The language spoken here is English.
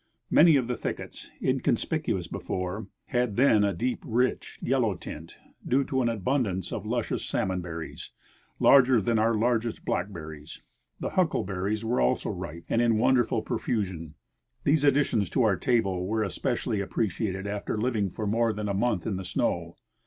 Many of the thickets, inconspicuous before, had then a deep, rich yelloAV tint, due to an abundance of luscious salmon berries, larger than our largest blackberries. The huckleberries were also ripe, and in wonderful profusion. These additions to our table Avere especially appreciated after liAdng for more than a month in the snow.